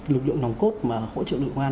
lực lượng nòng cốt mà hỗ trợ lực an